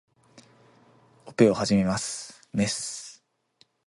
オペを始めます。メス